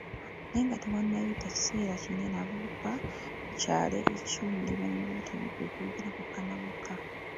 Naye nga tewannayita kiseera kinene, abavubuka ku kyalo eky'okumulirano baatandika okwogera bokka na bokka